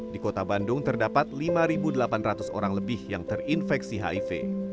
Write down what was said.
di kota bandung terdapat lima delapan ratus orang lebih yang terinfeksi hiv